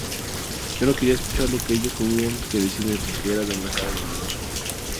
Yo no quería escuchar lo que ellos tenían que decirme porque era demasiado doloroso.